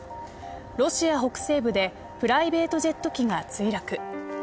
ロシア北西部でプライベートジェット機が墜落。